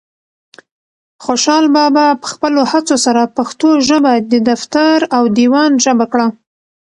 خوشحال بابا په خپلو هڅو سره پښتو ژبه د دفتر او دیوان ژبه کړه.